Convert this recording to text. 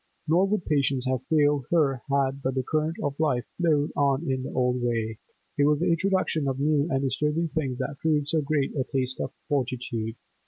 Nor would patience have failed her had but the current of life flowed on in the old way. It was the introduction of new and disturbing things that proved so great a test of fortitude.